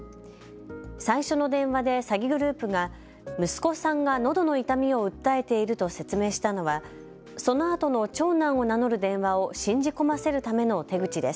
最初の電話で詐欺グループが息子さんがのどの痛みを訴えていると説明したのはそのあとの長男を名乗る電話を信じ込ませるための手口です。